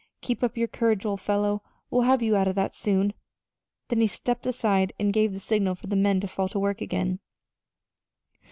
"Keep up your courage, old fellow! We'll have you out of that soon." Then he stepped aside and gave the signal for the men to fall to work again.